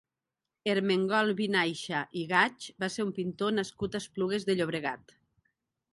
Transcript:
Ermengol Vinaixa i Gaig va ser un pintor nascut a Esplugues de Llobregat.